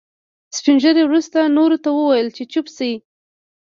سپين ږيري وروسته نورو ته وويل چې چوپ شئ.